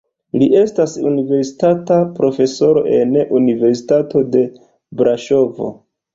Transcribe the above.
Li estas universitata profesoro en Universitato de Braŝovo.